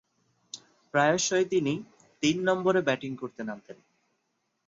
প্রায়শঃই তিনি তিন নম্বরে ব্যাটিং করতে নামতেন।